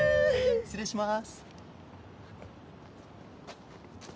失礼します。